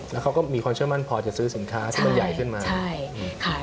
แล้วเขาก็มีความเชื่อมั่นพอจะซื้อสินค้าที่มันใหญ่ขึ้นมา